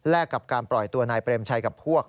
และกับการปล่อยตัวนายเปรมชัย